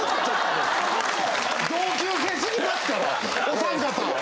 同級生すぎますからお３方。